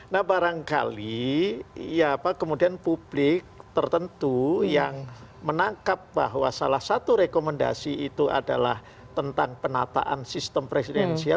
nah barangkali kemudian publik tertentu yang menangkap bahwa salah satu rekomendasi itu adalah tentang penataan sistem presidensial